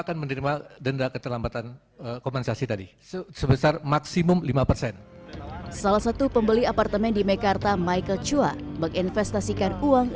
akan menerima denda keterlambatan kompensasi dari sebesar maksimum lima perspectorkan